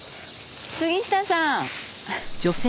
杉下さん。